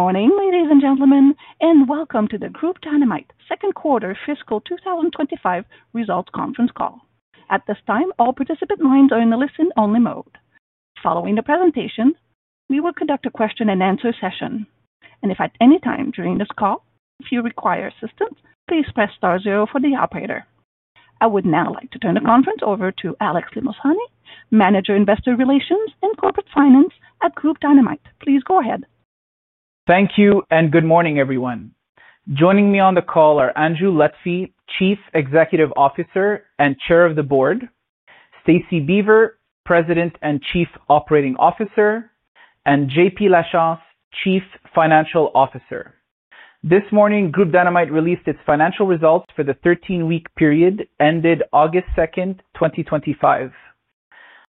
Morning, ladies and gentlemen, and welcome to the Groupe Dynamite second quarter fiscal 2025 results conference call. At this time, all participant lines are in the listen-only mode. Following the presentation, we will conduct a question and answer session. If at any time during this call you require assistance, please press star zero for the operator. I would now like to turn the conference over to Alex Limosani, Manager, Investor Relations and Corporate Finance at Groupe Dynamite. Please go ahead. Thank you and good morning, everyone. Joining me on the call are Andrew Lutfy, Chief Executive Officer and Chair of the Board, Stacie Beaver, President and Chief Operating Officer, and Jean-Philippe Lachance, Chief Financial Officer. This morning, Groupe Dynamite released its financial results for the 13-week period ended August 2, 2025.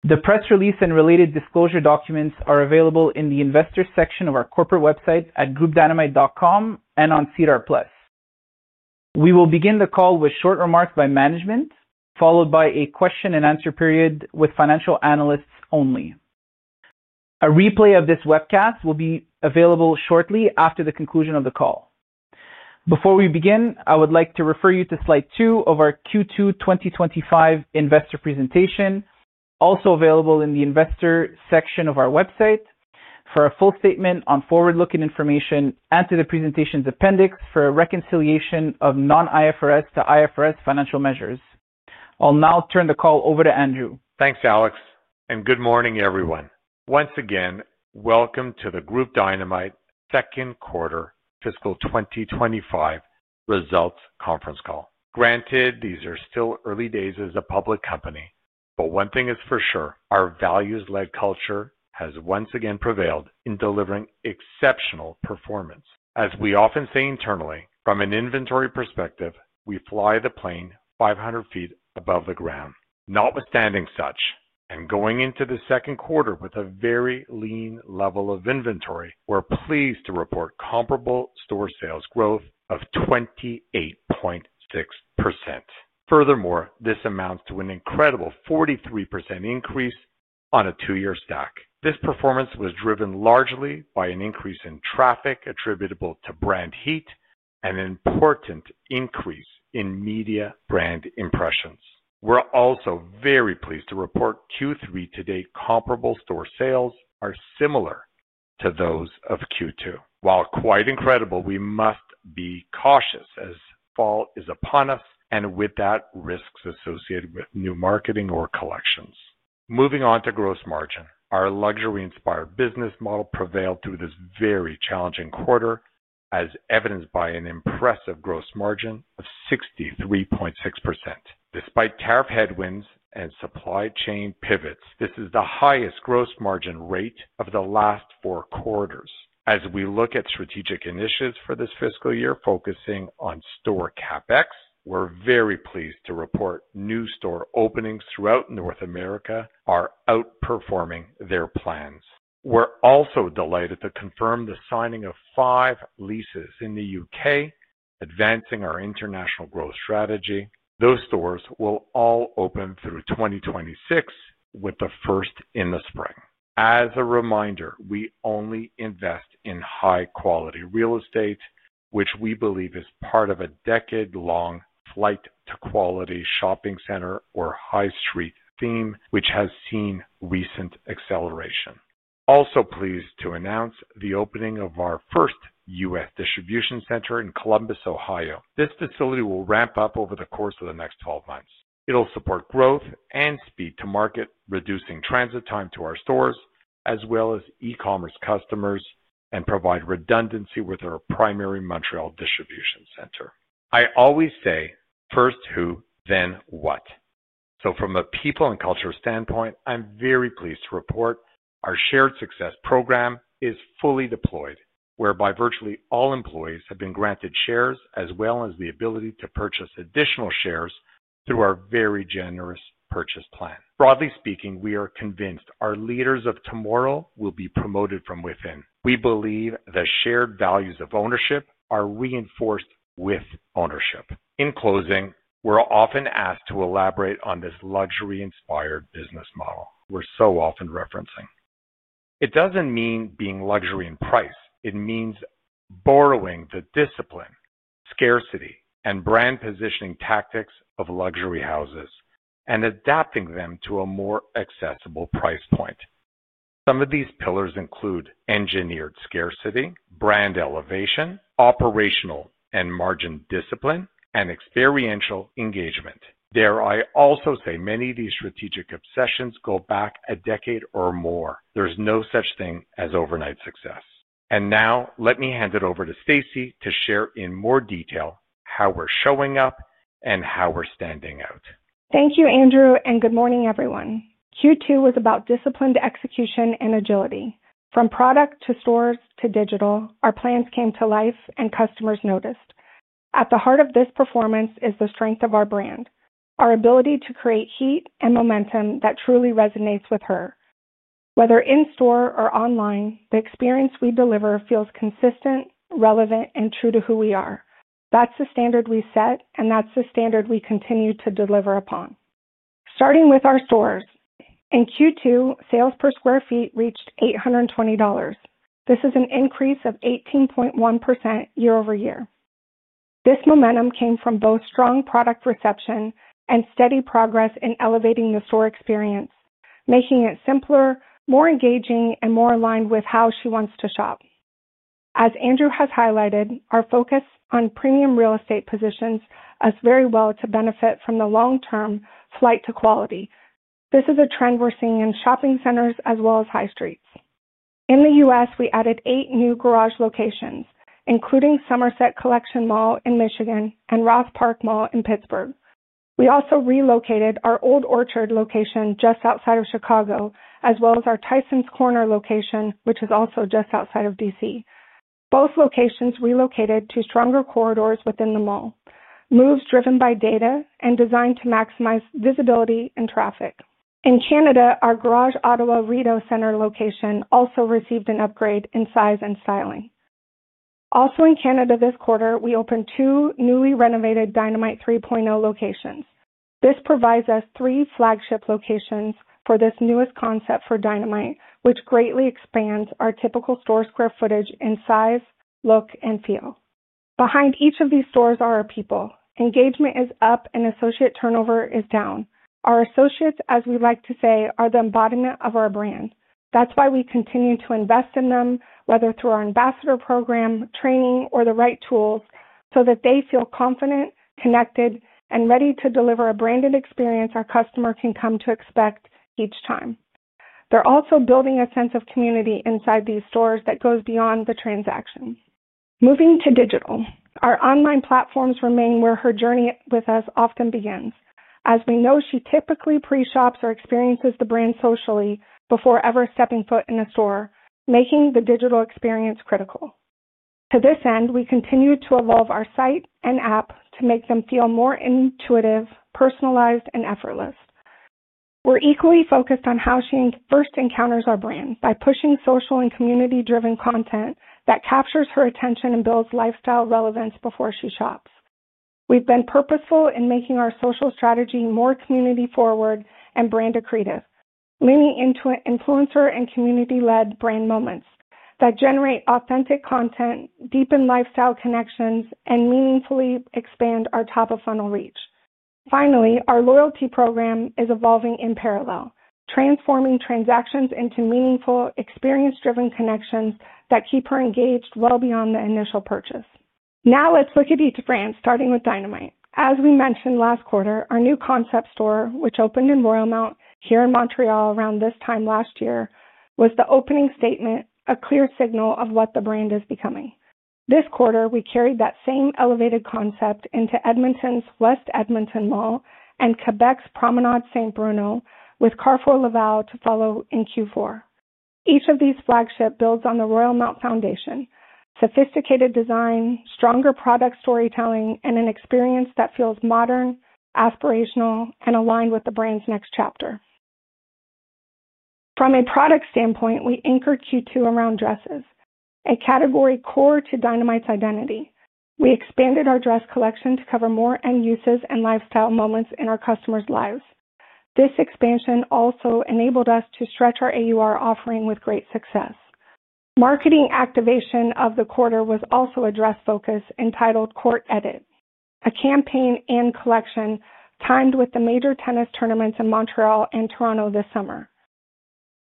The press release and related disclosure documents are available in the Investors section of our corporate website at groupdynamite.com and on SEDAR Plus. We will begin the call with short remarks by management, followed by a question and answer period with financial analysts only. A replay of this webcast will be available shortly after the conclusion of the call. Before we begin, I would like to refer you to slide two of our Q2 2025 investor presentation, also available in the Investors section of our website, for a full statement on forward-looking information and to the presentation's appendix for a reconciliation of non-IFRS to IFRS financial measures. I'll now turn the call over to Andrew. Thanks, Alex, and good morning, everyone. Once again, welcome to the Groupe Dynamite second quarter fiscal 2025 results conference call. Granted, these are still early days as a public company, but one thing is for sure: our values-led culture has once again prevailed in delivering exceptional performance. As we often say internally, from an inventory perspective, we fly the plane 500 feet above the ground. Notwithstanding such, and going into the second quarter with a very lean level of inventory, we're pleased to report comparable store sales growth of 28.6%. Furthermore, this amounts to an incredible 43% increase on a two-year stack. This performance was driven largely by an increase in traffic attributable to brand heat and an important increase in media brand impressions. We're also very pleased to report Q3 to date comparable store sales are similar to those of Q2. While quite incredible, we must be cautious as fall is upon us and with that, risks associated with new marketing or collections. Moving on to gross margin, our luxury-inspired business model prevailed through this very challenging quarter, as evidenced by an impressive gross margin of 63.6%. Despite tariff headwinds and supply chain pivots, this is the highest gross margin rate of the last four quarters. As we look at strategic initiatives for this fiscal year, focusing on store CapEx, we're very pleased to report new store openings throughout North America are outperforming their plans. We're also delighted to confirm the signing of five leases in the UK, advancing our international growth strategy. Those stores will all open through 2026, with the first in the spring. As a reminder, we only invest in high-quality real estate, which we believe is part of a decade-long flight-to-quality shopping center or high street theme, which has seen recent acceleration. Also pleased to announce the opening of our first U.S. distribution center in Columbus, Ohio. This facility will ramp up over the course of the next 12 months. It'll support growth and speed-to-market, reducing transit time to our stores, as well as e-commerce customers, and provide redundancy with our primary Montreal distribution center. I always say, first who, then what. From a people and culture standpoint, I'm very pleased to report our shared success program is fully deployed, whereby virtually all employees have been granted shares as well as the ability to purchase additional shares through our very generous purchase plan. Broadly speaking, we are convinced our leaders of tomorrow will be promoted from within. We believe the shared values of ownership are reinforced with ownership. In closing, we're often asked to elaborate on this luxury-inspired business model we're so often referencing. It doesn't mean being luxury in price, it means borrowing the discipline, scarcity, and brand positioning tactics of luxury houses and adapting them to a more accessible price point. Some of these pillars include engineered scarcity, brand elevation, operational and margin discipline, and experiential engagement. Dare I also say, many of these strategic obsessions go back a decade or more. There's no such thing as overnight success. Now, let me hand it over to Stacie to share in more detail how we're showing up and how we're standing out. Thank you, Andrew, and good morning, everyone. Q2 was about disciplined execution and agility. From product to stores to digital, our plans came to life and customers noticed. At the heart of this performance is the strength of our brand, our ability to create heat and momentum that truly resonates with her. Whether in store or online, the experience we deliver feels consistent, relevant, and true to who we are. That's the standard we set, and that's the standard we continue to deliver upon. Starting with our stores, in Q2, sales per square foot reached $820. This is an increase of 18.1% year over year. This momentum came from both strong product reception and steady progress in elevating the store experience, making it simpler, more engaging, and more aligned with how she wants to shop. As Andrew has highlighted, our focus on premium real estate positions us very well to benefit from the long-term flight to quality. This is a trend we're seeing in shopping centers as well as high streets. In the U.S., we added eight new Garage locations, including Somerset Collection Mall in Michigan and Ross Park Mall in Pittsburgh. We also relocated our Old Orchard location just outside of Chicago, as well as our Tysons Corner location, which is also just outside of D.C. Both locations relocated to stronger corridors within the mall, moves driven by data and designed to maximize visibility and traffic. In Canada, our Garage Ottawa Rideau Centre location also received an upgrade in size and styling. Also in Canada this quarter, we opened two newly renovated Dynamite 3.0 locations. This provides us three flagship locations for this newest concept for Dynamite, which greatly expands our typical store square footage in size, look, and feel. Behind each of these stores are our people. Engagement is up and associate turnover is down. Our associates, as we like to say, are the embodiment of our brand. That's why we continue to invest in them, whether through our ambassador program, training, or the right tools, so that they feel confident, connected, and ready to deliver a branded experience our customer can come to expect each time. They're also building a sense of community inside these stores that goes beyond the transaction. Moving to digital, our online platforms remain where her journey with us often begins. As we know, she typically pre-shops or experiences the brand socially before ever stepping foot in a store, making the digital experience critical. To this end, we continue to evolve our site and app to make them feel more intuitive, personalized, and effortless. We're equally focused on how she first encounters our brand by pushing social and community-driven content that captures her attention and builds lifestyle relevance before she shops. We've been purposeful in making our social strategy more community-forward and brand accretive, leaning into influencer and community-led brand moments that generate authentic content, deepen lifestyle connections, and meaningfully expand our top-of-funnel reach. Finally, our loyalty program is evolving in parallel, transforming transactions into meaningful, experience-driven connections that keep her engaged well beyond the initial purchase. Now let's look at each brand, starting with Dynamite. As we mentioned last quarter, our new concept store, which opened in Royalmount here in Montreal around this time last year, was the opening statement, a clear signal of what the brand is becoming. This quarter, we carried that same elevated concept into Edmonton's West Edmonton Mall and Quebec's Promenade Saint-Bruno, with Carrefour Laval to follow in Q4. Each of these flagship builds on the Royalmount foundation: sophisticated design, stronger product storytelling, and an experience that feels modern, aspirational, and aligned with the brand's next chapter. From a product standpoint, we anchor Q2 around dresses, a category core to Dynamite's identity. We expanded our dress collection to cover more end uses and lifestyle moments in our customers' lives. This expansion also enabled us to stretch our AUR offering with great success. Marketing activation of the quarter was also a dress focus entitled Court Edit, a campaign and collection timed with the major tennis tournaments in Montreal and Toronto this summer.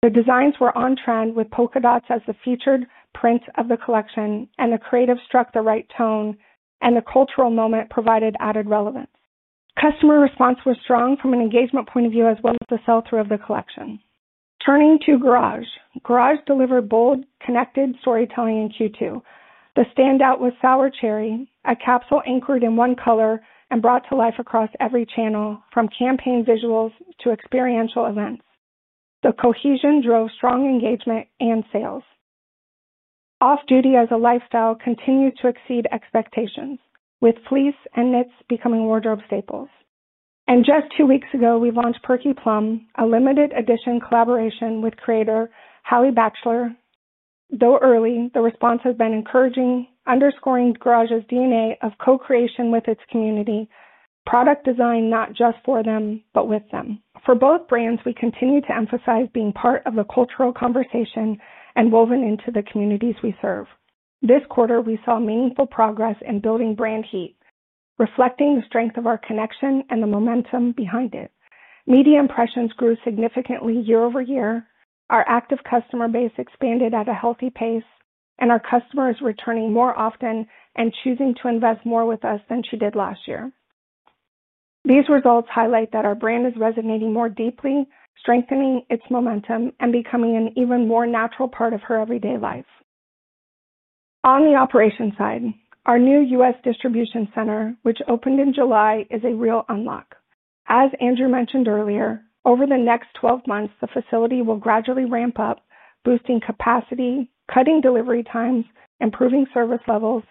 The designs were on trend, with polka dots as the featured print of the collection, and the creative struck the right tone, and the cultural moment provided added relevance. Customer response was strong from an engagement point of view as well as the sell-through of the collection. Turning to Garage, Garage delivered bold, connected storytelling in Q2. The standout was Sour Cherry, a capsule anchored in one color and brought to life across every channel, from campaign visuals to experiential events. The cohesion drove strong engagement and sales. Off-duty as a lifestyle continued to exceed expectations, with fleece and knits becoming wardrobe staples. Just two weeks ago, we launched Perky Plum, a limited edition collaboration with creator Howie Batchelor. Though early, the response has been encouraging, underscoring Garage's DNA of co-creation with its community, product design not just for them, but with them. For both brands, we continue to emphasize being part of the cultural conversation and woven into the communities we serve. This quarter, we saw meaningful progress in building brand heat, reflecting the strength of our connection and the momentum behind it. Media impressions grew significantly year over year, our active customer base expanded at a healthy pace, and our customers are returning more often and choosing to invest more with us than she did last year. These results highlight that our brand is resonating more deeply, strengthening its momentum and becoming an even more natural part of her everyday life. On the operations side, our new U.S. distribution center, which opened in July, is a real unlock. As Andrew mentioned earlier, over the next 12 months, the facility will gradually ramp up, boosting capacity, cutting delivery times, improving service levels,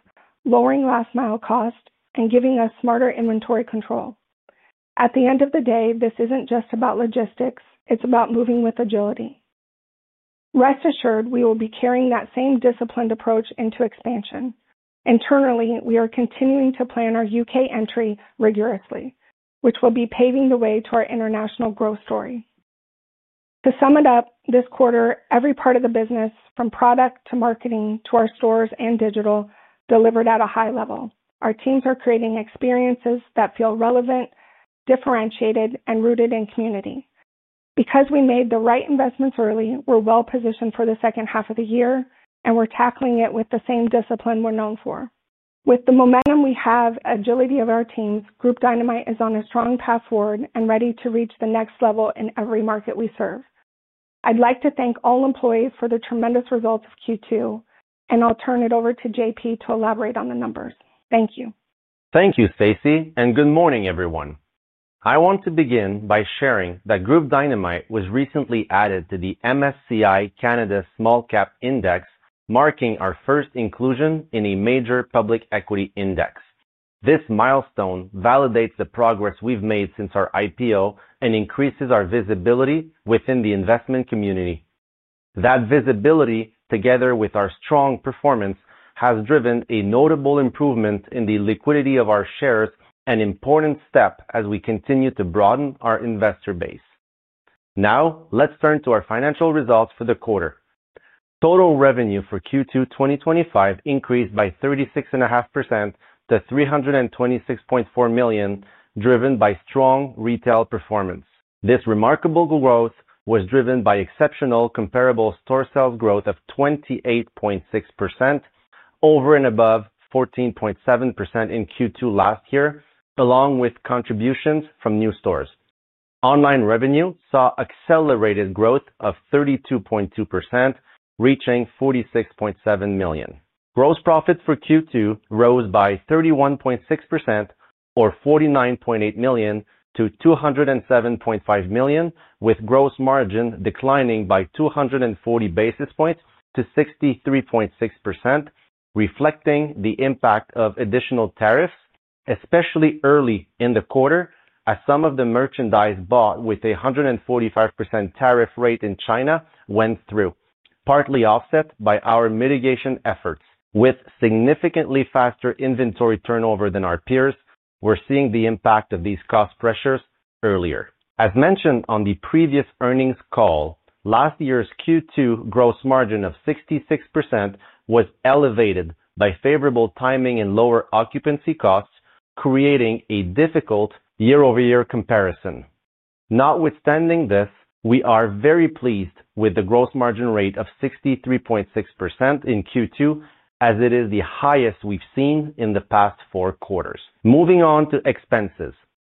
lowering last mile cost, and giving us smarter inventory control. At the end of the day, this isn't just about logistics, it's about moving with agility. Rest assured, we will be carrying that same disciplined approach into expansion. Internally, we are continuing to plan our UK entry rigorously, which will be paving the way to our international growth story. To sum it up, this quarter, every part of the business, from product to marketing to our stores and digital, delivered at a high level. Our teams are creating experiences that feel relevant, differentiated, and rooted in community. Because we made the right investments early, we're well positioned for the second half of the year, and we're tackling it with the same discipline we're known for. With the momentum we have, agility of our teams, Groupe Dynamite is on a strong path forward and ready to reach the next level in every market we serve. I'd like to thank all employees for the tremendous results of Q2, and I'll turn it over to JP to elaborate on the numbers. Thank you. Thank you, Stacie, and good morning, everyone. I want to begin by sharing that Groupe Dynamite was recently added to the MSCI Canada Small Cap Index, marking our first inclusion in a major public equity index. This milestone validates the progress we've made since our IPO and increases our visibility within the investment community. That visibility, together with our strong performance, has driven a notable improvement in the liquidity of our shares, an important step as we continue to broaden our investor base. Now, let's turn to our financial results for the quarter. Total revenue for Q2 2025 increased by 36.5% to $326.4 million, driven by strong retail performance. This remarkable growth was driven by exceptional comparable store sales growth of 28.6%, over and above 14.7% in Q2 last year, along with contributions from new stores. Online revenue saw accelerated growth of 32.2%, reaching $46.7 million. Gross profits for Q2 rose by 31.6%, or $49.8 million, to $207.5 million, with gross margin declining by 240 basis points to 63.6%, reflecting the impact of additional tariffs, especially early in the quarter, as some of the merchandise bought with a 145% tariff rate in China went through, partly offset by our mitigation efforts. With significantly faster inventory turnover than our peers, we're seeing the impact of these cost pressures earlier. As mentioned on the previous earnings call, last year's Q2 gross margin of 66% was elevated by favorable timing and lower occupancy costs, creating a difficult year-over-year comparison. Notwithstanding this, we are very pleased with the gross margin rate of 63.6% in Q2, as it is the highest we've seen in the past four quarters. Moving on to expenses,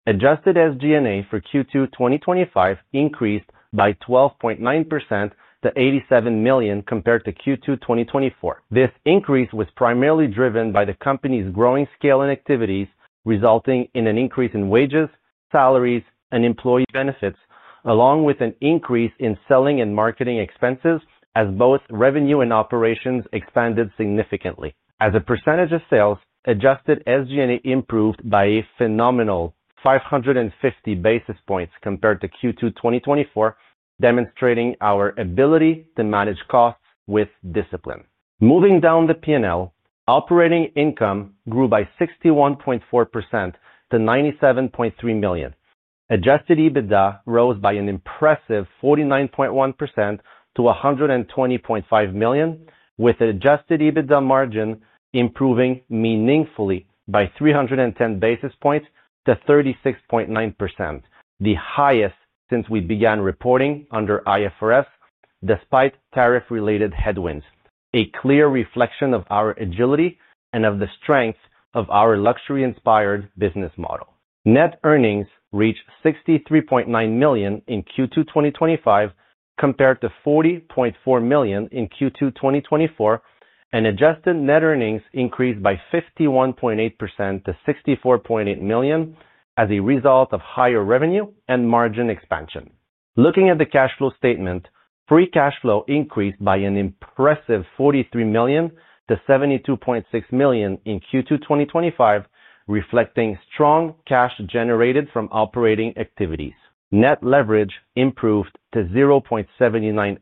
adjusted SG&A for Q2 2025 increased by 12.9% to $87 million compared to Q2 2024. This increase was primarily driven by the company's growing scale and activities, resulting in an increase in wages, salaries, and employee benefits, along with an increase in selling and marketing expenses, as both revenue and operations expanded significantly. As a percentage of sales, adjusted SG&A improved by a phenomenal 550 basis points compared to Q2 2024, demonstrating our ability to manage costs with discipline. Moving down the P&L, operating income grew by 61.4% to $97.3 million. Adjusted EBITDA rose by an impressive 49.1% to $120.5 million, with an adjusted EBITDA margin improving meaningfully by 310 basis points to 36.9%, the highest since we began reporting under IFRS, despite tariff-related headwinds. A clear reflection of our agility and of the strength of our luxury-inspired business model. Net earnings reached $63.9 million in Q2 2025, compared to $40.4 million in Q2 2024, and adjusted net earnings increased by 51.8% to $64.8 million as a result of higher revenue and margin expansion. Looking at the cash flow statement, free cash flow increased by an impressive $43 million to $72.6 million in Q2 2025, reflecting strong cash generated from operating activities. Net leverage improved to 0.79x,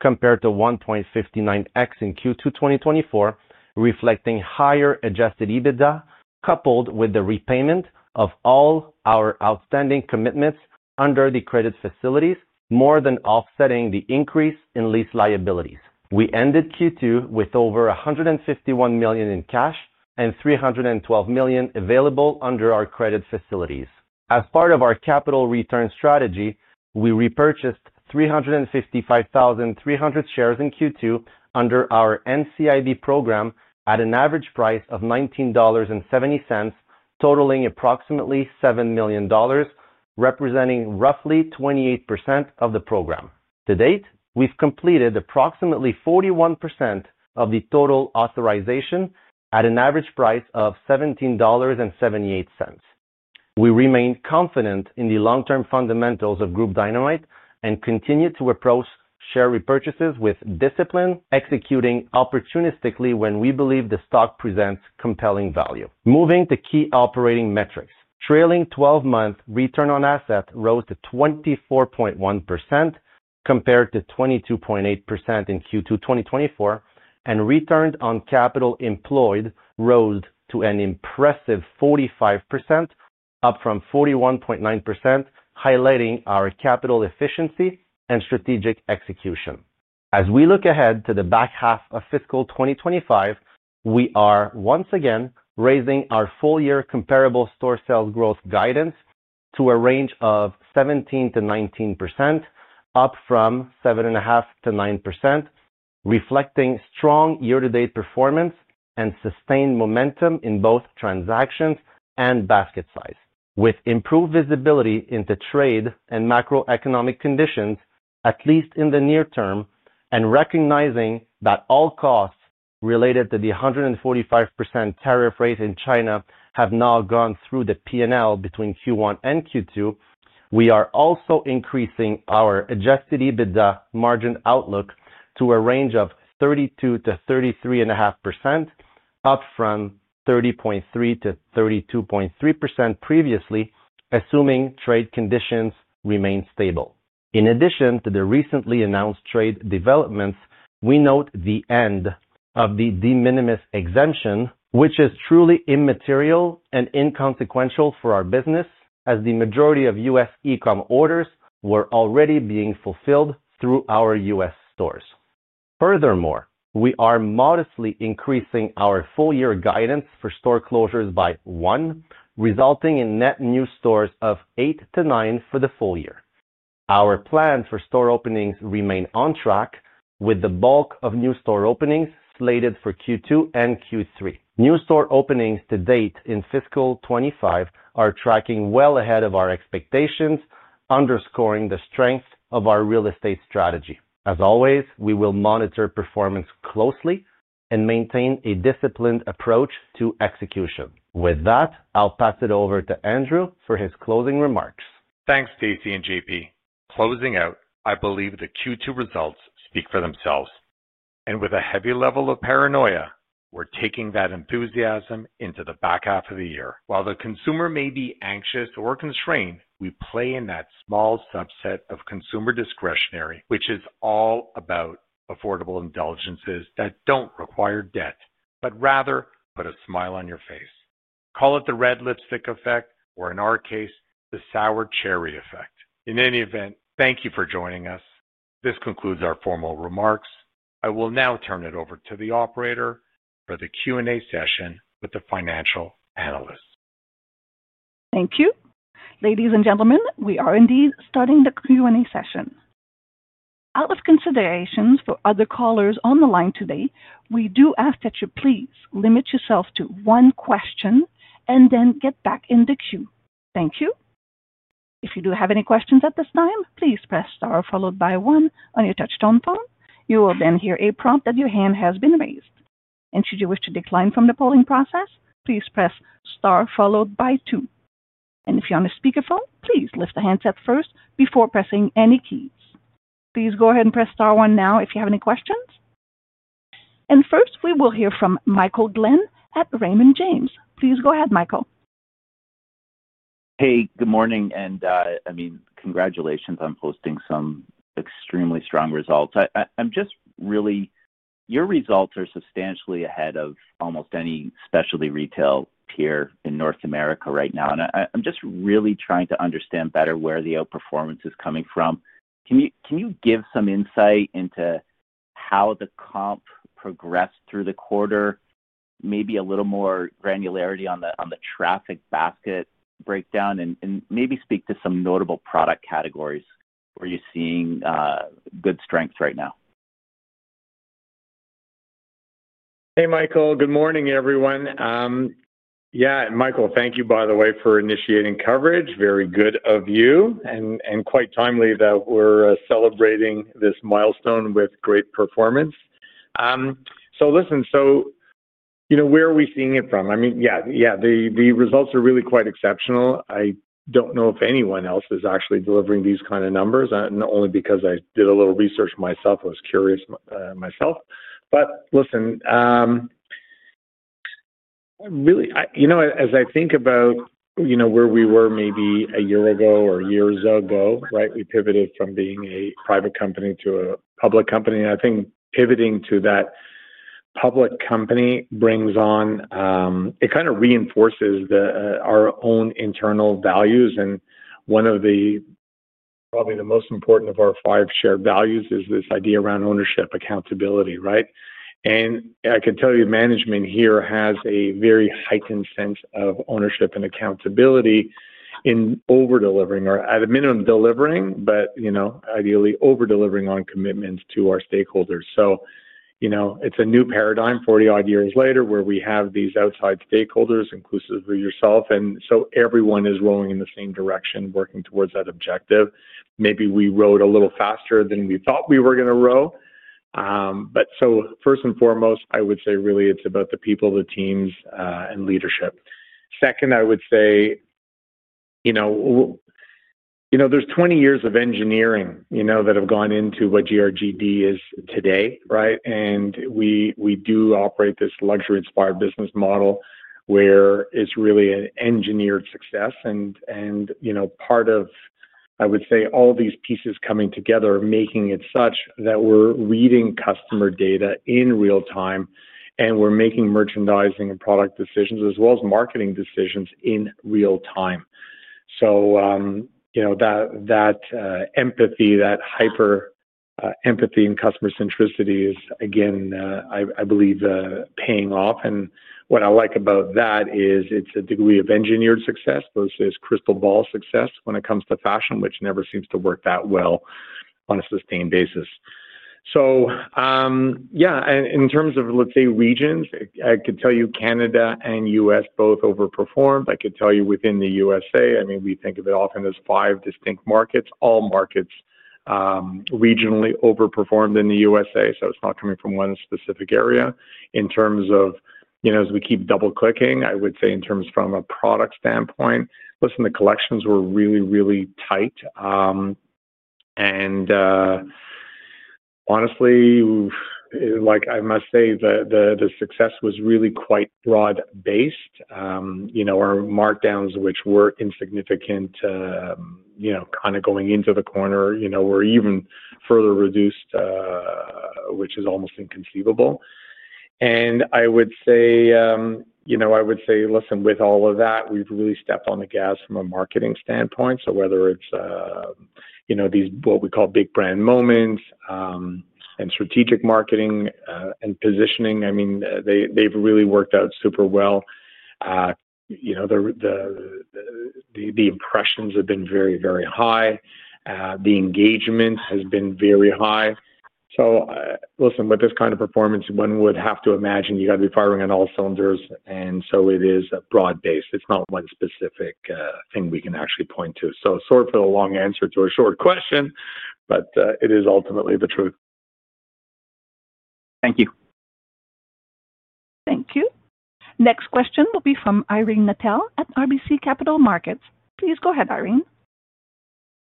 compared to 1.59x in Q2 2024, reflecting higher adjusted EBITDA coupled with the repayment of all our outstanding commitments under the credit facilities, more than offsetting the increase in lease liabilities. We ended Q2 with over $151 million in cash and $312 million available under our credit facilities. As part of our capital return strategy, we repurchased 355,300 shares in Q2 under our normal course issuer bid program at an average price of $19.70, totaling approximately $7 million, representing roughly 28% of the program. To date, we've completed approximately 41% of the total authorization at an average price of $17.78. We remain confident in the long-term fundamentals of Groupe Dynamite and continue to approach share repurchases with discipline, executing opportunistically when we believe the stock presents compelling value. Moving to key operating metrics, trailing 12-month return on assets rose to 24.1% compared to 22.8% in Q2 2024, and returns on capital employed rose to an impressive 45%, up from 41.9%, highlighting our capital efficiency and strategic execution. As we look ahead to the back half of fiscal 2025, we are once again raising our full-year comparable store sales growth guidance to a range of 17% to 19%, up from 7.5% to 9%, reflecting strong year-to-date performance and sustained momentum in both transactions and basket size. With improved visibility into trade and macroeconomic conditions, at least in the near term, and recognizing that all costs related to the 145% tariff rate in China have now gone through the P&L between Q1 and Q2, we are also increasing our adjusted EBITDA margin outlook to a range of 32% to 33.5%, up from 30.3% to 32.3% previously, assuming trade conditions remain stable. In addition to the recently announced trade developments, we note the end of the de minimis exemption, which is truly immaterial and inconsequential for our business, as the majority of U.S. e-com orders were already being fulfilled through our U.S. stores. Furthermore, we are modestly increasing our full-year guidance for store closures by one, resulting in net new stores of eight to nine for the full year. Our plans for store openings remain on track, with the bulk of new store openings slated for Q2 and Q3. New store openings to date in fiscal 2025 are tracking well ahead of our expectations, underscoring the strength of our real estate strategy. As always, we will monitor performance closely and maintain a disciplined approach to execution. With that, I'll pass it over to Andrew for his closing remarks. Thanks, Stacie and JP. Closing out, I believe the Q2 results speak for themselves. With a heavy level of paranoia, we're taking that enthusiasm into the back half of the year. While the consumer may be anxious or constrained, we play in that small subset of consumer discretionary, which is all about affordable indulgences that don't require debt, but rather put a smile on your face. Call it the red lipstick effect, or in our case, the Sour Cherry effect. In any event, thank you for joining us. This concludes our formal remarks. I will now turn it over to the operator for the Q&A session with the financial analyst. Thank you. Ladies and gentlemen, we are indeed starting the Q&A session. Out of consideration for other callers on the line today, we do ask that you please limit yourself to one question and then get back in the queue. Thank you. If you do have any questions at this time, please press star followed by one on your touch-tone phone. You will then hear a prompt that your hand has been raised. Should you wish to decline from the polling process, please press star followed by two. If you're on a speakerphone, please lift the handset first before pressing any keys. Please go ahead and press star one now if you have any questions. First, we will hear from Michael Glen at Raymond James. Please go ahead, Michael. Good morning. Congratulations on posting some extremely strong results. Your results are substantially ahead of almost any specialty retail tier in North America right now. I'm just really trying to understand better where the outperformance is coming from. Can you give some insight into how the comp progressed through the quarter? Maybe a little more granularity on the traffic basket breakdown and maybe speak to some notable product categories where you're seeing good strength right now. Hey, Michael. Good morning, everyone. Michael, thank you, by the way, for initiating coverage. Very good of you and quite timely that we're celebrating this milestone with great performance. Listen, where are we seeing it from? The results are really quite exceptional. I don't know if anyone else is actually delivering these kind of numbers, not only because I did a little research myself. I was curious myself. As I think about where we were maybe a year ago or years ago, right? We pivoted from being a private company to a public company. I think pivoting to that public company brings on, it kind of reinforces our own internal values. One of the, probably the most important of our five shared values is this idea around ownership, accountability, right? I could tell you management here has a very heightened sense of ownership and accountability in over-delivering or at a minimum delivering, but ideally over-delivering on commitments to our stakeholders. It's a new paradigm 40-odd years later where we have these outside stakeholders, inclusive of yourself, and so everyone is rowing in the same direction, working towards that objective. Maybe we rowed a little faster than we thought we were going to row. First and foremost, I would say really it's about the people, the teams, and leadership. Second, I would say there's 20 years of engineering that have gone into what Groupe Dynamite is today, right? We do operate this luxury-inspired business model where it's really an engineered success. Part of all these pieces coming together are making it such that we're reading customer data in real time, and we're making merchandising and product decisions, as well as marketing decisions in real time. That empathy, that hyper empathy and customer centricity is, again, I believe, paying off. What I like about that is it's a degree of engineered success versus crystal ball success when it comes to fashion, which never seems to work that well on a sustained basis. In terms of regions, I could tell you Canada and U.S. both overperformed. I could tell you within the U.S., we think of it often as five distinct markets. All markets regionally overperformed in the U.S. It's not coming from one specific area. In terms of, as we keep double-clicking, I would say in terms from a product standpoint, listen, the collections were really, really tight. Honestly, I must say, the success was really quite broad-based. Our markdowns, which were insignificant going into the quarter, were even further reduced, which is almost inconceivable. I would say, listen, with all of that, we've really stepped on the gas from a marketing standpoint. Whether it's these, what we call big brand moments and strategic marketing and positioning, they've really worked out super well. The impressions have been very, very high. The engagement has been very high. With this kind of performance, one would have to imagine you've got to be firing on all cylinders. It is a broad base. It's not one specific thing we can actually point to. Sorry for the long answer to a short question, but it is ultimately the truth. Thank you. Thank you. Next question will be from Irene Natel at RBC Capital Markets. Please go ahead, Irene.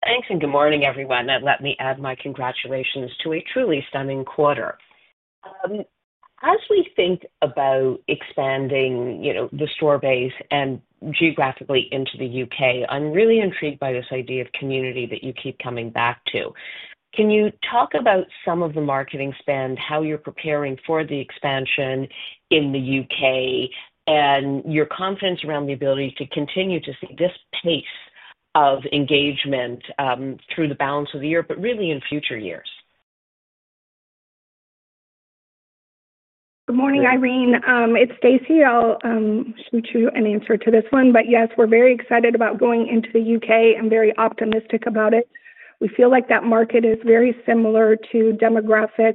Thanks, and good morning, everyone. Let me add my congratulations to a truly stunning quarter. As we think about expanding the store base and geographically into the UK, I'm really intrigued by this idea of community that you keep coming back to. Can you talk about some of the marketing spend, how you're preparing for the expansion in the UK, and your confidence around the ability to continue to see this pace of engagement through the balance of the year, but really in future years? Good morning, Irene. It's Stacie. I'll shoot you an answer to this one. Yes, we're very excited about going into the UK and very optimistic about it. We feel like that market is very similar to demographic,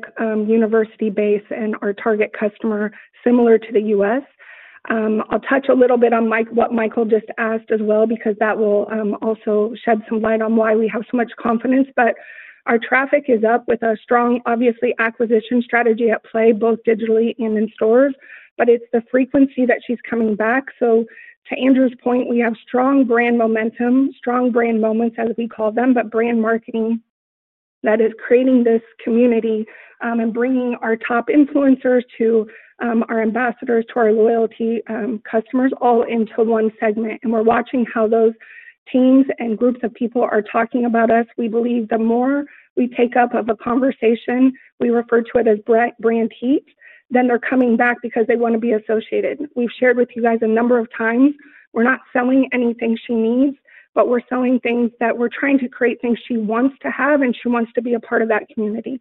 university-based, and our target customer is similar to the U.S. I'll touch a little bit on what Michael just asked as well, because that will also shed some light on why we have so much confidence. Our traffic is up with a strong, obviously, acquisition strategy at play, both digitally and in stores. It's the frequency that she's coming back. To Andrew's point, we have strong brand momentum, strong brand moments, as we call them, and brand marketing that is creating this community and bringing our top influencers, our ambassadors, our loyalty customers, all into one segment. We're watching how those teams and groups of people are talking about us. We believe the more we take up of a conversation, we refer to it as brand heat, they're coming back because they want to be associated. We've shared with you guys a number of times, we're not selling anything she needs, but we're selling things that we're trying to create things she wants to have, and she wants to be a part of that community.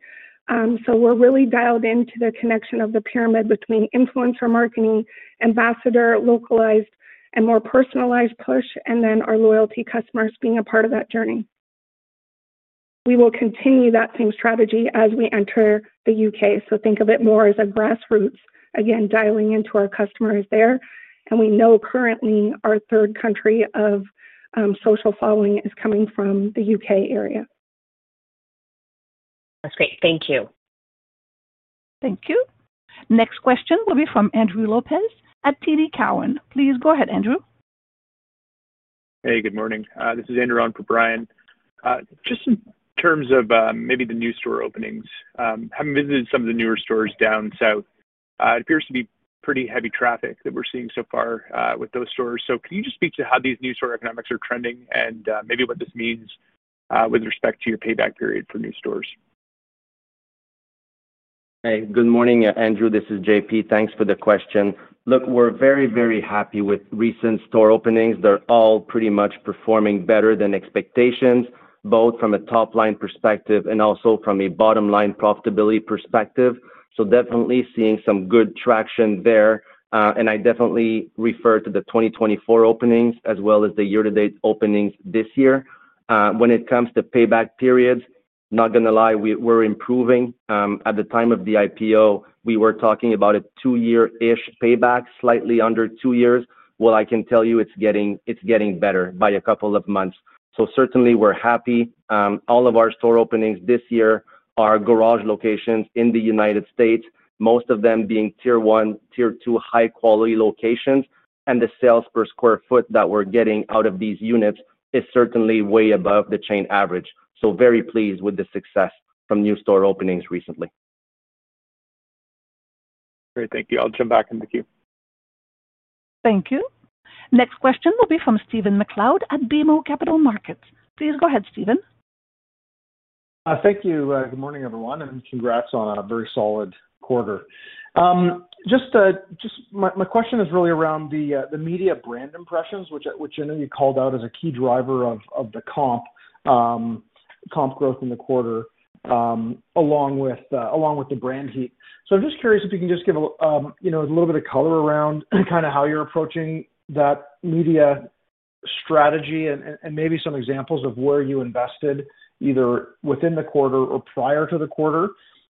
We're really dialed into the connection of the pyramid between influencer marketing, ambassador, localized, and more personalized push, and then our loyalty customers being a part of that journey. We will continue that same strategy as we enter the UK. Think of it more as a grassroots, again, dialing into our customers there. We know currently our third country of social following is coming from the UK area. That's great. Thank you. Thank you. Next question will be from Andrew Lutfy at TD Cowen. Please go ahead, Andrew. Hey, good morning. This is Andrew on for Brian. In terms of maybe the new store openings, having visited some of the newer stores down south, it appears to be pretty heavy traffic that we're seeing so far with those stores. Can you just speak to how these new store economics are trending and what this means with respect to your payback period for new stores? Hey, good morning, Andrew. This is JP. Thanks for the question. Look, we're very, very happy with recent store openings. They're all pretty much performing better than expectations, both from a top-line perspective and also from a bottom-line profitability perspective. Definitely seeing some good traction there. I definitely refer to the 2024 openings as well as the year-to-date openings this year. When it comes to payback periods, not going to lie, we're improving. At the time of the IPO, we were talking about a two-year-ish payback, slightly under two years. I can tell you it's getting better by a couple of months. Certainly we're happy. All of our store openings this year are GARAGE locations in the United States, most of them being tier one, tier two high-quality locations. The sales per square foot that we're getting out of these units is certainly way above the chain average. Very pleased with the success from new store openings recently. Great, thank you. I'll jump back in the queue. Thank you. Next question will be from Stephen MacLeod at BMO Capital Markets. Please go ahead, Stephen. Thank you. Good morning, everyone, and congrats on a very solid quarter. My question is really around the media brand impressions, which I know you called out as a key driver of the comp growth in the quarter, along with the brand heat. I'm just curious if you can give a little bit of color around how you're approaching that media strategy and maybe some examples of where you invested either within the quarter or prior to the quarter,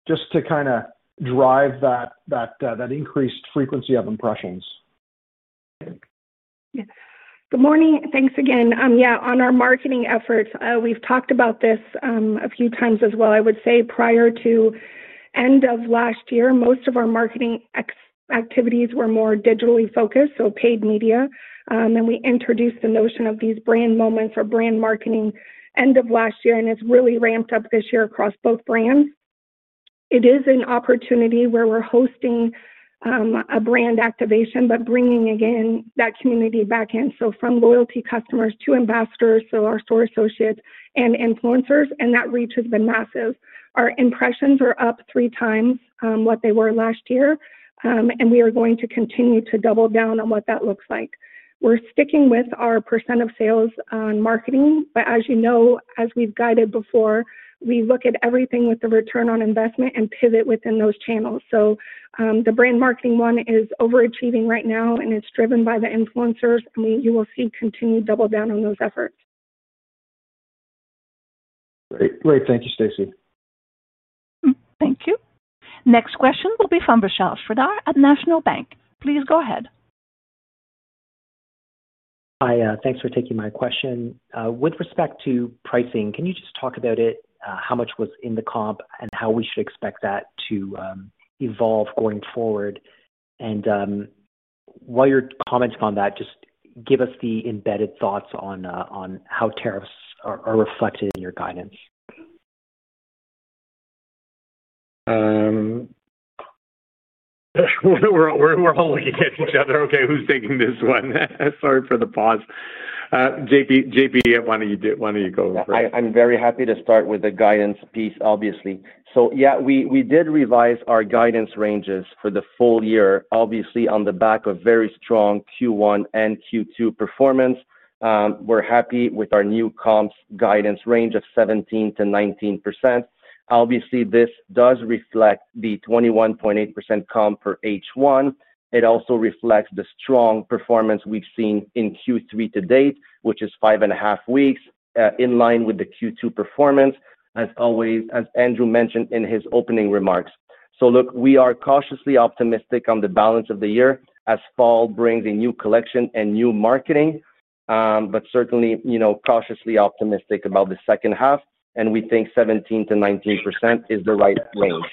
just to drive that increased frequency of impressions. Good morning. Thanks again. On our marketing efforts, we've talked about this a few times as well. I would say prior to the end of last year, most of our marketing activities were more digitally focused, so paid media. We introduced the notion of these brand moments or brand marketing end of last year, and it's really ramped up this year across both brands. It is an opportunity where we're hosting a brand activation, bringing again that community back in. From loyalty customers to ambassadors, our store associates and influencers, that reach has been massive. Our impressions are up three times what they were last year, and we are going to continue to double down on what that looks like. We're sticking with our % of sales on marketing, but as you know, as we've guided before, we look at everything with the return on investment and pivot within those channels. The brand marketing one is overachieving right now, and it's driven by the influencers, and you will see continued double down on those efforts. Great, great. Thank you, Stacie. Thank you. Next question will be from Vishal Shradar at National Bank. Please go ahead. Hi, thanks for taking my question. With respect to pricing, can you just talk about it? How much was in the comp and how we should expect that to evolve going forward? While you're commenting on that, just give us the embedded thoughts on how tariffs are reflected in your guidance. We're all looking at each other. Okay, who's taking this one? Sorry for the pause. JP, why don't you go? I'm very happy to start with the guidance piece, obviously. We did revise our guidance ranges for the full year, obviously on the back of very strong Q1 and Q2 performance. We're happy with our new comps guidance range of 17% to 19%. This does reflect the 21.8% comp per H1. It also reflects the strong performance we've seen in Q3 to date, which is five and a half weeks, in line with the Q2 performance, as always, as Andrew mentioned in his opening remarks. We are cautiously optimistic on the balance of the year as fall brings a new collection and new marketing, but certainly, you know, cautiously optimistic about the second half. We think 17% to 19% is the right range.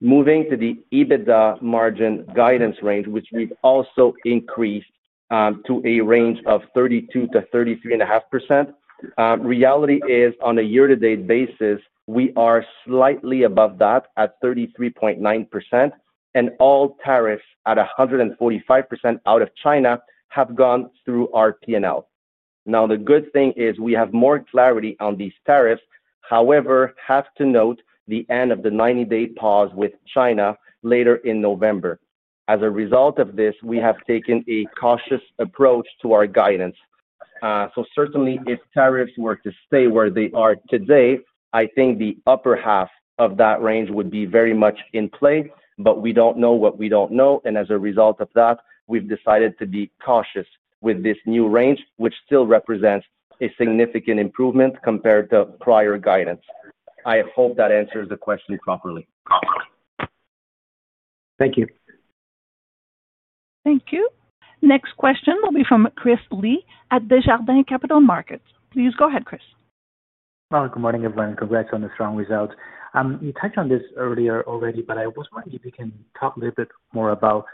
Moving to the EBITDA margin guidance range, which we've also increased to a range of 32% to 33.5%. Reality is, on a year-to-date basis, we are slightly above that at 33.9%, and all tariffs at 145% out of China have gone through our P&L. The good thing is we have more clarity on these tariffs. However, I have to note the end of the 90-day pause with China later in November. As a result of this, we have taken a cautious approach to our guidance. Certainly, if tariffs were to stay where they are today, I think the upper half of that range would be very much in play, but we don't know what we don't know. As a result of that, we've decided to be cautious with this new range, which still represents a significant improvement compared to prior guidance. I hope that answers the question properly. Thank you. Thank you. Next question will be from Chris Lee at Desjardins Capital Markets. Please go ahead, Chris. Good morning, everyone. Congrats on the strong results. You touched on this earlier already, but I was wondering if you can talk a little bit more about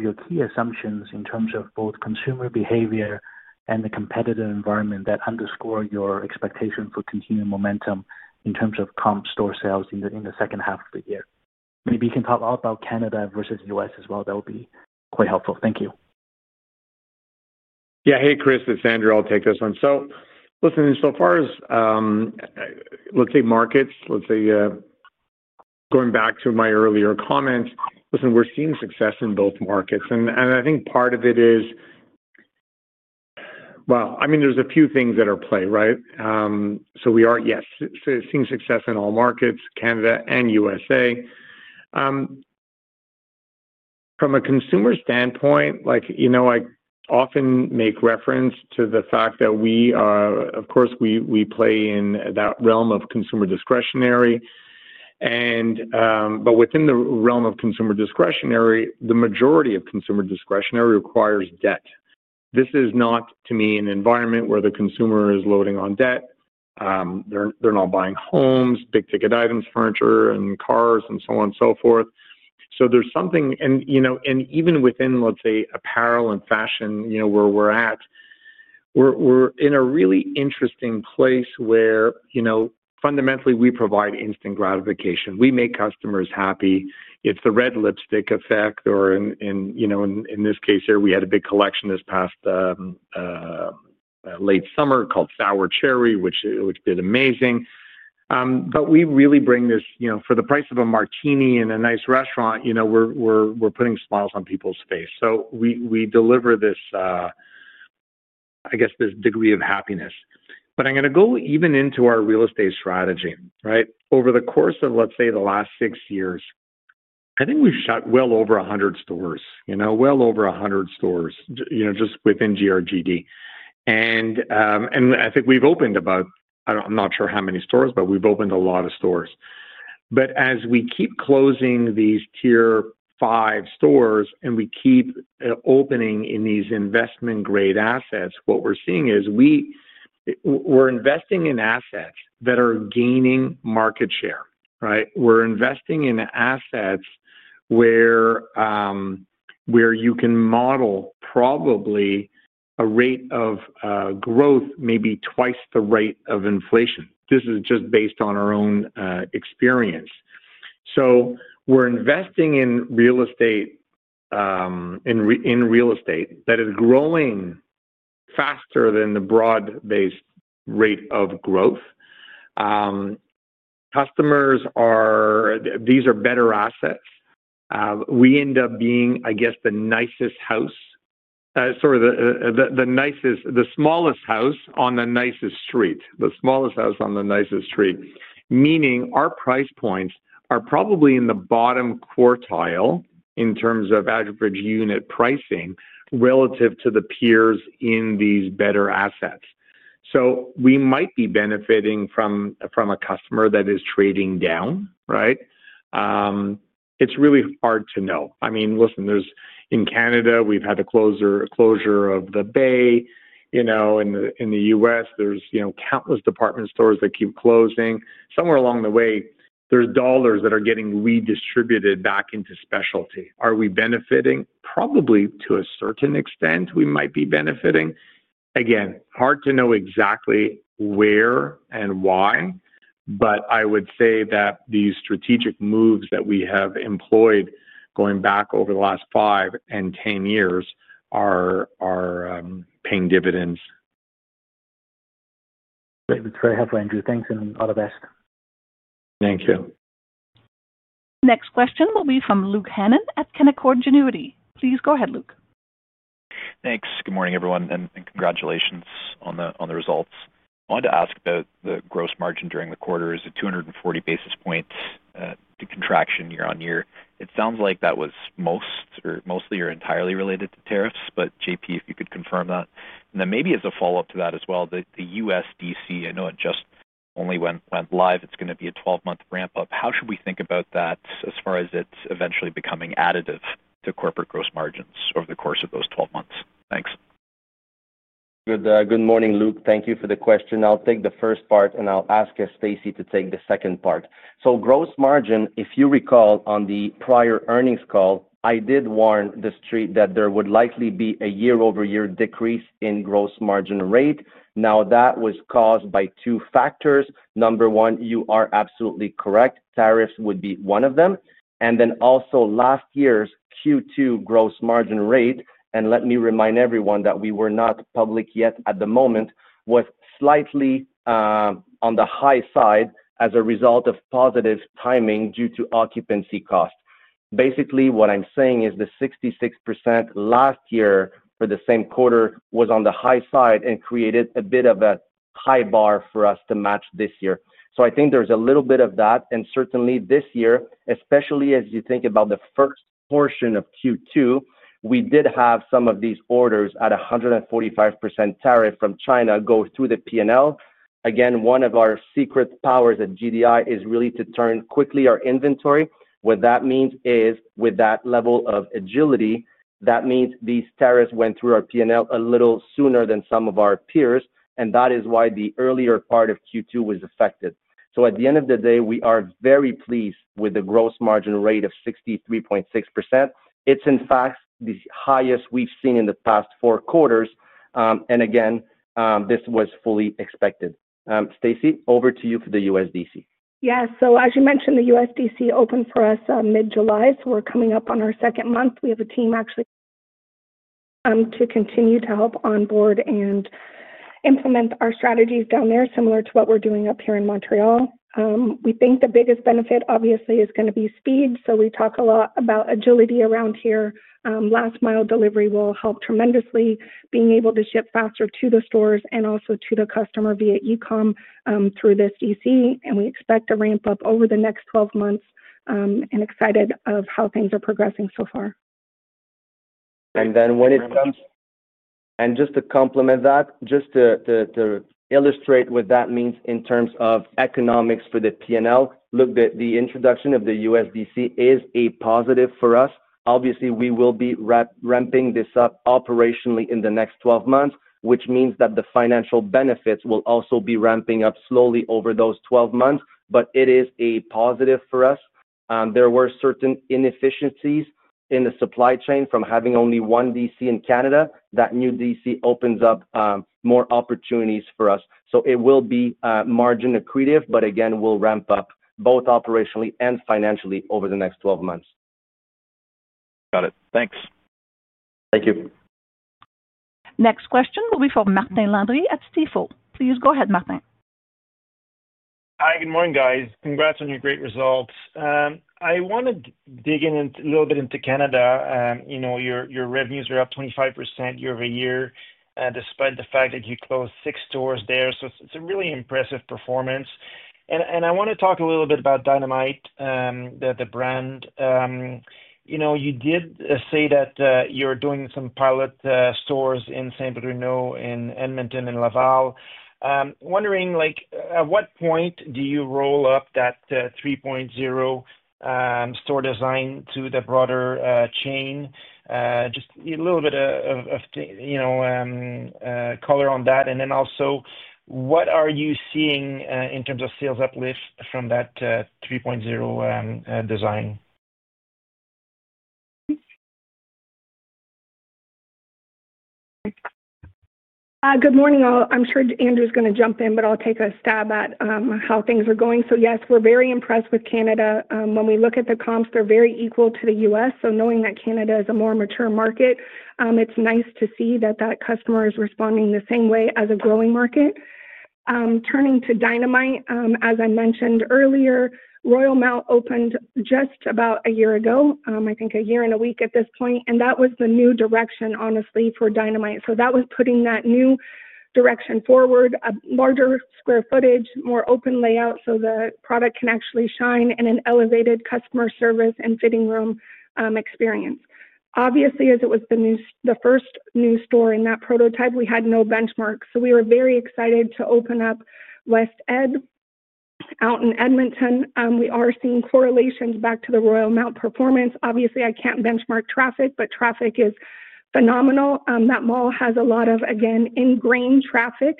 your key assumptions in terms of both consumer behavior and the competitive environment that underscore your expectation for continued momentum in terms of comp store sales in the second half of the year. Maybe you can talk a lot about Canada versus the U.S. as well. That would be quite helpful. Thank you. Yeah, hey Chris, it's Andrew. I'll take this one. Listen, so far as, let's say, markets, going back to my earlier comments, we're seeing success in both markets. I think part of it is, well, I mean, there are a few things at play, right? We are, yes, seeing success in all markets, Canada and USA. From a consumer standpoint, like, you know, I often make reference to the fact that we, of course, play in that realm of consumer discretionary. Within the realm of consumer discretionary, the majority of consumer discretionary requires debt. This is not, to me, an environment where the consumer is loading on debt. They're not buying homes, big ticket items, furniture, and cars, and so on and so forth. There's something, and you know, even within, let's say, apparel and fashion, where we're at, we're in a really interesting place where, you know, fundamentally, we provide instant gratification. We make customers happy. It's the red lipstick effect, or in this case here, we had a big collection this past late summer called Sour Cherry, which did amazing. We really bring this, you know, for the price of a martini in a nice restaurant, we're putting smiles on people's face. We deliver this, I guess, this degree of happiness. I'm going to go even into our real estate strategy, right? Over the course of the last six years, I think we've shut well over 100 stores, well over 100 stores, just within Groupe Dynamite. I think we've opened about, I'm not sure how many stores, but we've opened a lot of stores. As we keep closing these tier five stores and we keep opening in these investment-grade assets, what we're seeing is we're investing in assets that are gaining market share, right? We're investing in assets where you can model probably a rate of growth, maybe twice the rate of inflation. This is just based on our own experience. We're investing in real estate, in real estate that is growing faster than the broad-based rate of growth. Customers are, these are better assets. We end up being, I guess, the nicest house, sort of the nicest, the smallest house on the nicest street, the smallest house on the nicest street, meaning our price points are probably in the bottom quartile in terms of average unit pricing relative to the peers in these better assets. We might be benefiting from a customer that is trading down, right? It's really hard to know. I mean, listen, in Canada, we've had a closure of the Bay, you know, and in the U.S., there's, you know, countless department stores that keep closing. Somewhere along the way, there's dollars that are getting redistributed back into specialty. Are we benefiting? Probably to a certain extent, we might be benefiting. Again, hard to know exactly where and why, but I would say that these strategic moves that we have employed going back over the last five and ten years are paying dividends. Very helpful, Andrew. Thanks and all the best. Thank you. Next question will be from Luke Hannon at Canaccord Genuity. Please go ahead, Luke. Thanks. Good morning, everyone, and congratulations on the results. I wanted to ask about the gross margin during the quarter. It's 240 basis points, the contraction year on year. It sounds like that was most or mostly or entirely related to tariffs, but JP, if you could confirm that. Maybe as a follow-up to that as well, the USDC, I know it just only went live. It's going to be a 12-month ramp-up. How should we think about that as far as it's eventually becoming additive to corporate gross margins over the course of those 12 months? Thanks. Good morning, Luke. Thank you for the question. I'll take the first part and I'll ask Stacie to take the second part. Gross margin, if you recall on the prior earnings call, I did warn the street that there would likely be a year-over-year decrease in gross margin rate. That was caused by two factors. Number one, you are absolutely correct. Tariffs would be one of them. Also, last year's Q2 gross margin rate, and let me remind everyone that we were not public yet at the moment, was slightly on the high side as a result of positive timing due to occupancy cost. Basically, what I'm saying is the 66% last year for the same quarter was on the high side and created a bit of a high bar for us to match this year. I think there's a little bit of that, and certainly this year, especially as you think about the first portion of Q2, we did have some of these orders at 145% tariff from China go through the P&L. Again, one of our secret powers at Groupe Dynamite is really to turn quickly our inventory. What that means is with that level of agility, that means these tariffs went through our P&L a little sooner than some of our peers, and that is why the earlier part of Q2 was affected. At the end of the day, we are very pleased with the gross margin rate of 63.6%. It's in fact the highest we've seen in the past four quarters, and again, this was fully expected. Stacie, over to you for the USDC. Yeah, as you mentioned, the USDC opened for us mid-July, so we're coming up on our second month. We have a team actually to continue to help onboard and implement our strategies down there, similar to what we're doing up here in Montreal. We think the biggest benefit obviously is going to be speed. We talk a lot about agility around here. Last mile delivery will help tremendously, being able to ship faster to the stores and also to the customer via e-com through this DC. We expect to ramp up over the next 12 months and are excited about how things are progressing so far. When it comes, and just to complement that, just to illustrate what that means in terms of economics for the P&L, look, the introduction of the USDC is a positive for us. Obviously, we will be ramping this up operationally in the next 12 months, which means that the financial benefits will also be ramping up slowly over those 12 months, but it is a positive for us. There were certain inefficiencies in the supply chain from having only one DC in Canada. That new DC opens up more opportunities for us. It will be margin accretive, but again, we'll ramp up both operationally and financially over the next 12 months. Got it. Thanks. Thank you. Next question will be from Martin Landry at Stifel. Please go ahead, Martin. Hi, good morning, guys. Congrats on your great results. I want to dig in a little bit into Canada. You know, your revenues are up 25% year over year, despite the fact that you closed six stores there. It's a really impressive performance. I want to talk a little bit about Dynamite, the brand. You did say that you're doing some pilot stores in Saint-Bruno, in Edmonton, and Laval. I'm wondering, at what point do you roll out that Dynamite 3.0 store design to the broader chain? Just a little bit of color on that. Also, what are you seeing in terms of sales uplift from that Dynamite 3.0 design? Good morning, all. I'm sure Andrew's going to jump in, but I'll take a stab at how things are going. Yes, we're very impressed with Canada. When we look at the comps, they're very equal to the U.S. Knowing that Canada is a more mature market, it's nice to see that that customer is responding the same way as a growing market. Turning to Dynamite, as I mentioned earlier, Royal Mount opened just about a year ago, I think a year and a week at this point. That was the new direction, honestly, for Dynamite. That was putting that new direction forward, a larger square footage, more open layout, so the product can actually shine in an elevated customer service and fitting room experience. Obviously, as it was the first new store in that prototype, we had no benchmark. We were very excited to open up WestEd out in Edmonton. We are seeing correlations back to the Royal Mount performance. Obviously, I can't benchmark traffic, but traffic is phenomenal. That mall has a lot of, again, ingrained traffic,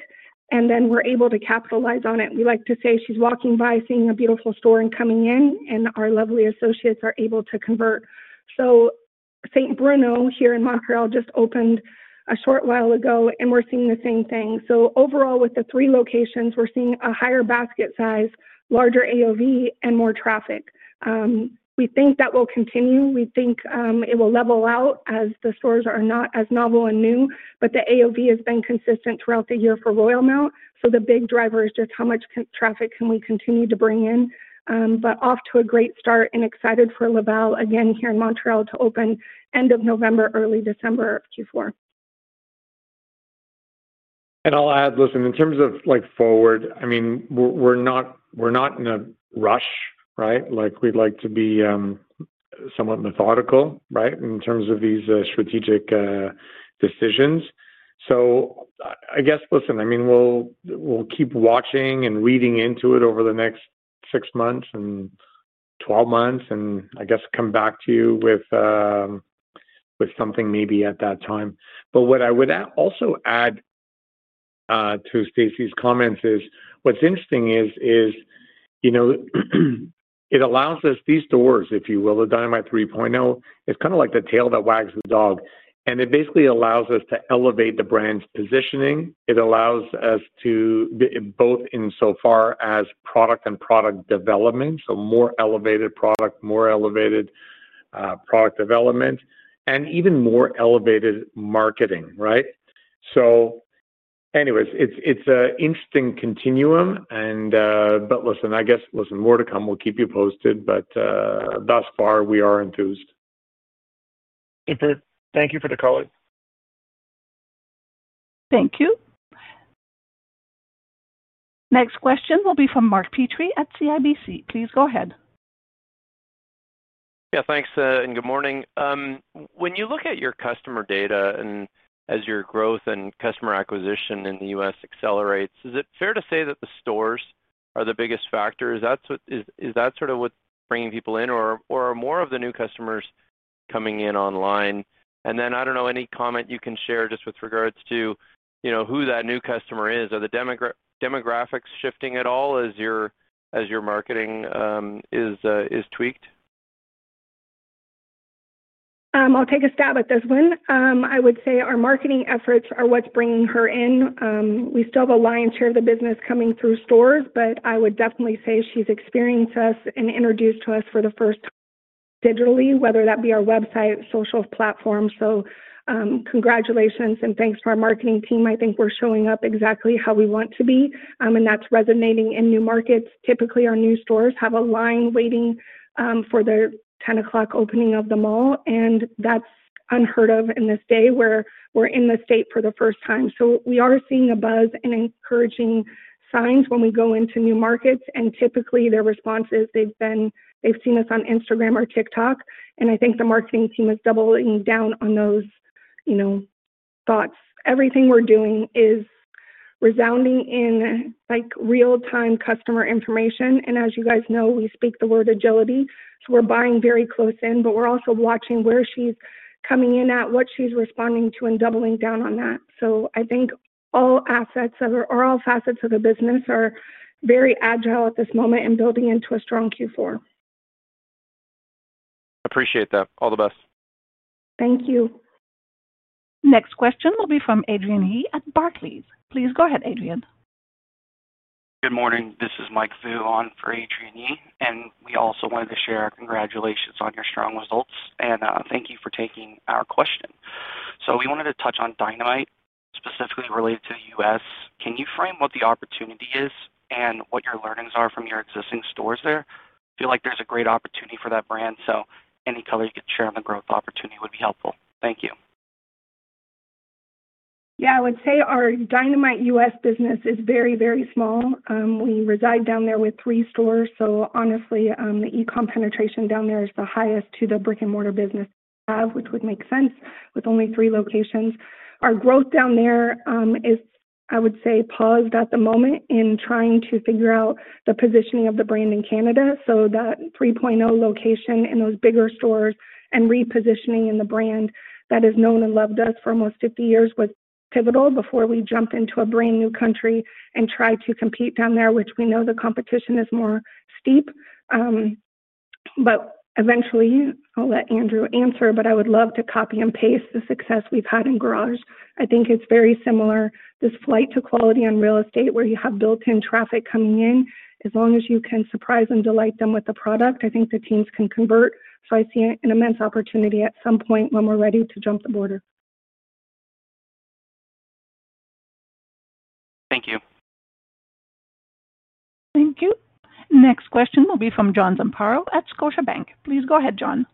and then we're able to capitalize on it. We like to say she's walking by, seeing a beautiful store and coming in, and our lovely associates are able to convert. Saint-Bruno here in Montreal just opened a short while ago, and we're seeing the same thing. Overall, with the three locations, we're seeing a higher basket size, larger AOV, and more traffic. We think that will continue. We think it will level out as the stores are not as novel and new, but the AOV has been consistent throughout the year for Royal Mount. The big driver is just how much traffic can we continue to bring in. Off to a great start and excited for Laval, again, here in Montreal to open end of November, early December of Q4. I'll add, in terms of forward, we're not in a rush. We'd like to be somewhat methodical in terms of these strategic decisions. We'll keep watching and reading into it over the next six months and 12 months, and come back to you with something maybe at that time. What I would also add to Stacie's comments is what's interesting is it allows us these doors, if you will, the Dynamite 3.0, it's kind of like the tail that wags the dog. It basically allows us to elevate the brand's positioning. It allows us to be both insofar as product and product development, so more elevated product, more elevated product development, and even more elevated marketing. It's an interesting continuum. More to come. We'll keep you posted, but thus far we are enthused. Thank you for the call. Thank you. Next question will be from Mark Petry at CIBC. Please go ahead. Yeah, thanks, and good morning. When you look at your customer data and as your growth and customer acquisition in the U.S. accelerates, is it fair to say that the stores are the biggest factors? Is that sort of what's bringing people in, or are more of the new customers coming in online? Any comment you can share just with regards to who that new customer is? Are the demographics shifting at all as your marketing is tweaked? I'll take a stab at this one. I would say our marketing efforts are what's bringing her in. We still have a lion's share of the business coming through stores, but I would definitely say she's experienced us and introduced to us for the first time digitally, whether that be our website or social platforms. Congratulations and thanks to our marketing team. I think we're showing up exactly how we want to be, and that's resonating in new markets. Typically, our new stores have a line waiting for their 10:00 A.M. opening of the mall, and that's unheard of in this day where we're in the state for the first time. We are seeing a buzz and encouraging signs when we go into new markets, and typically their response is they've seen us on Instagram or TikTok, and I think the marketing team is doubling down on those thoughts. Everything we're doing is resounding in real-time customer information, and as you guys know, we speak the word agility. We're buying very close in, but we're also watching where she's coming in at, what she's responding to, and doubling down on that. I think all facets of the business are very agile at this moment and building into a strong Q4. Appreciate that. All the best. Thank you. Next question will be from Adrian Hee at Barclays. Please go ahead, Adrian. Good morning. This is Mike Vu on for Adrian Hee, and we also wanted to share congratulations on your strong results, and thank you for taking our question. We wanted to touch on Dynamite, specifically related to the U.S. Can you frame what the opportunity is and what your learnings are from your existing stores there? I feel like there's a great opportunity for that brand, so any color you could share on the growth opportunity would be helpful. Thank you. Yeah, I would say our Dynamite U.S. business is very, very small. We were tied down there with three stores, so honestly, the e-com penetration down there is the highest to the brick-and-mortar business, which would make sense with only three locations. Our growth down there is, I would say, paused at the moment in trying to figure out the positioning of the brand in Canada. That 3.0 location in those bigger stores and repositioning in the brand that has known and loved us for almost 50 years was pivotal before we jumped into a brand new country and tried to compete down there, which we know the competition is more steep. Eventually, I'll let Andrew answer, but I would love to copy and paste the success we've had in Garage. I think it's very similar. This flight to quality on real estate where you have built-in traffic coming in, as long as you can surprise and delight them with the product, I think the teams can convert. I see an immense opportunity at some point when we're ready to jump the border. Thank you. Thank you. Next question will be from John Zamparo at Scotiabank. Please go ahead, John.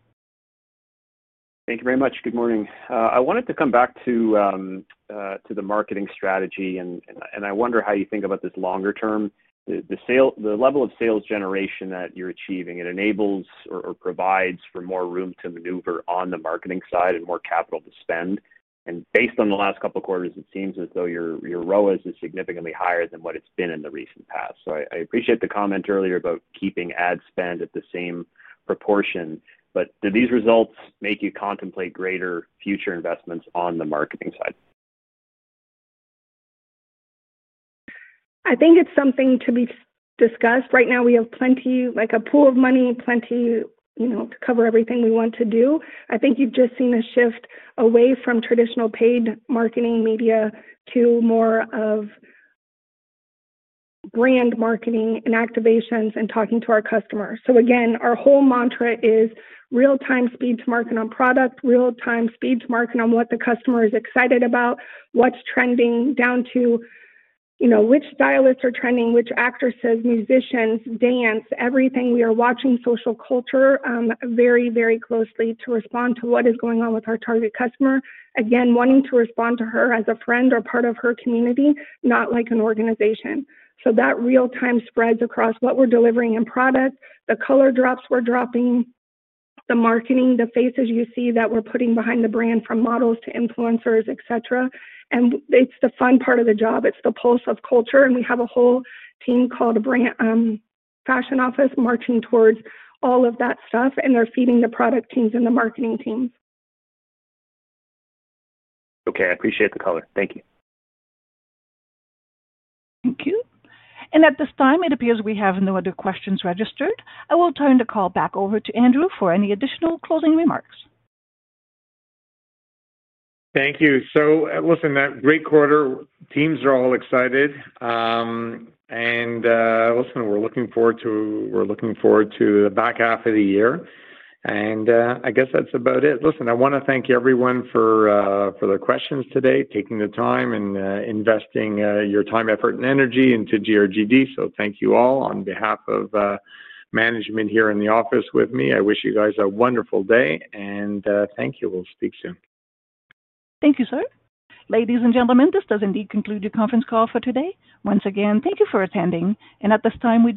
Thank you very much. Good morning. I wanted to come back to the marketing strategy, and I wonder how you think about this longer term. The level of sales generation that you're achieving enables or provides for more room to maneuver on the marketing side and more capital to spend. Based on the last couple of quarters, it seems as though your ROAS is significantly higher than what it's been in the recent past. I appreciate the comment earlier about keeping ad spend at the same proportion. Do these results make you contemplate greater future investments on the marketing side? I think it's something to be discussed. Right now, we have plenty, like a pool of money, plenty, you know, to cover everything we want to do. I think you've just seen a shift away from traditional paid marketing media to more of brand marketing and activations and talking to our customers. Our whole mantra is real-time speed-to-market on product, real-time speed-to-market on what the customer is excited about, what's trending down to, you know, which stylists are trending, which actresses, musicians, dance, everything. We are watching social culture very, very closely to respond to what is going on with our target customer. Again, wanting to respond to her as a friend or part of her community, not like an organization. That real-time spreads across what we're delivering in product, the color drops we're dropping, the marketing, the faces you see that we're putting behind the brand from models to influencers, et cetera. It's the fun part of the job. It's the pulse of culture. We have a whole team called a Brand Fashion Office marching towards all of that stuff, and they're feeding the product teams and the marketing team. Okay, I appreciate the color. Thank you. Thank you. At this time, it appears we have no other questions registered. I will turn the call back over to Andrew for any additional closing remarks. Thank you. That great quarter, teams are all excited. We're looking forward to the back half of the year. I guess that's about it. I want to thank everyone for their questions today, taking the time and investing your time, effort, and energy into Groupe Dynamite. Thank you all on behalf of management here in the office with me. I wish you guys a wonderful day. Thank you. We'll speak soon. Thank you, sir. Ladies and gentlemen, this does indeed conclude your conference call for today. Once again, thank you for attending. At this time, we.